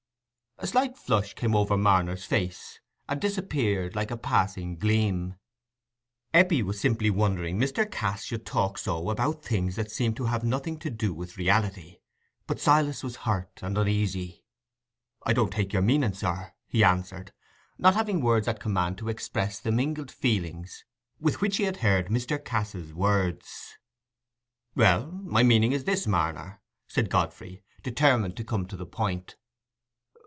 A slight flush came over Marner's face, and disappeared, like a passing gleam. Eppie was simply wondering Mr. Cass should talk so about things that seemed to have nothing to do with reality; but Silas was hurt and uneasy. "I don't take your meaning, sir," he answered, not having words at command to express the mingled feelings with which he had heard Mr. Cass's words. "Well, my meaning is this, Marner," said Godfrey, determined to come to the point.